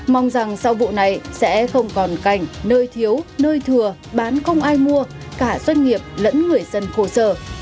mong rằng sau vụ này sẽ không còn cảnh nơi thiếu nơi thừa bán không ai mua cả doanh nghiệp lẫn người dân khổ sở